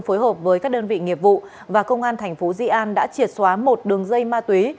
phối hợp với các đơn vị nghiệp vụ và công an thành phố di an đã triệt xóa một đường dây ma túy